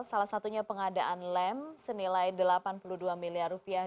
salah satunya pengadaan lem senilai delapan puluh dua miliar rupiah